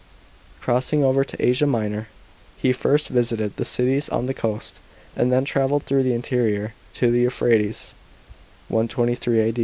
Crossing over to Asia Minor, he first visited the cities on the coast, and then travelled through the interior to the Euphrates (123 A.